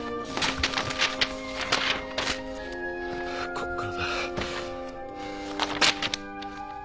こっからだ。